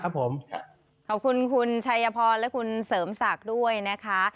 ขอบคุณคุณชัยพรและคุณเสริมศักดิ์ด้วยนะคะ